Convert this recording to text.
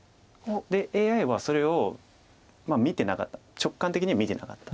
でＡＩはそれを見てなかった直感的には見てなかった。